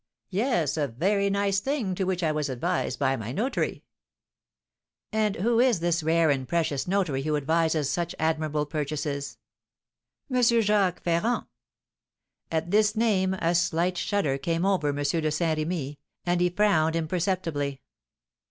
"Yes, a very nice thing, to which I was advised by my notary." "And who is this rare and precious notary who advises such admirable purchases?" "M. Jacques Ferrand." At this name a slight shudder came over M. de Saint Remy, and he frowned imperceptibly.